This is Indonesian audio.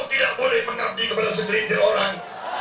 kau tidak boleh mengganti kepada segelintir orang